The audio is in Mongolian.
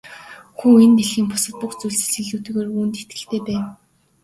Хүү энэ дэлхийн бусад бүх зүйлсээс илүүтэйгээр үүнд итгэлтэй байв.